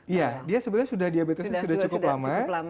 iya dia sebenarnya sudah diabetesnya sudah cukup lama